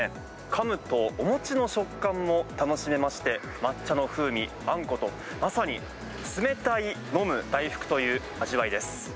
かむと、お餅の食感も楽しめまして、抹茶の風味、あんこと、まさに冷たい飲む大福という味わいです。